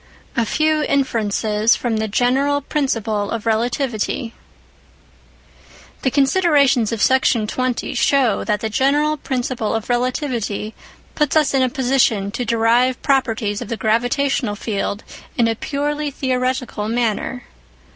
A FEW INFERENCES FROM THE GENERAL PRINCIPLE OF RELATIVITY The considerations of Section 20 show that the general principle of relativity puts us in a position to derive properties of the gravitational field in a purely theoretical manner.